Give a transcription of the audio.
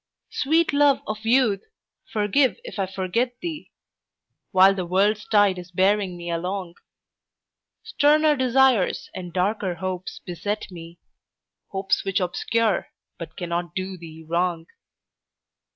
Sweet love of youth, forgive if I forget thee While the world's tide is bearing me along; Sterner desires and darker hopes beset me, Hopes which obscure but cannot do thee wrong.